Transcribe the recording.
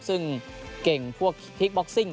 ซึ่งเก่งพวกพีคบ็อกซิ่ง